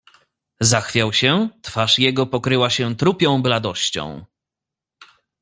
"Zachwiał się, twarz jego pokryła się trupią bladością."